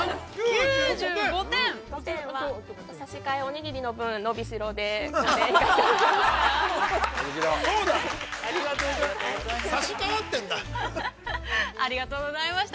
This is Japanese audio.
５点は、差し替えおにぎりの分伸びしろで引かせてもらいました。